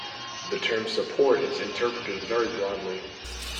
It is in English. The term "support" is interpreted very broadly.